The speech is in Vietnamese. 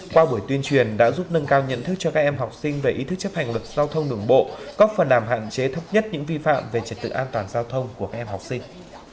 qua buổi tuyên truyền đã giúp nâng cao nhận thức cho các em học sinh về ý thức chấp hành luật giao thông đường bộ góp phần làm hạn chế thấp nhất những vi phạm về trật tự an toàn giao thông của các em học sinh